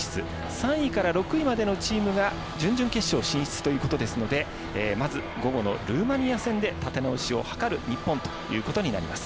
３位から６位までのチームが準々決勝進出ということですのでまず、午後のルーマニア戦で立て直しを図る日本ということになります。